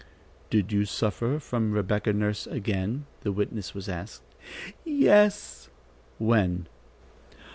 "Did you suffer from Rebecca Nurse again?" the witness was asked. "Yes." "When?"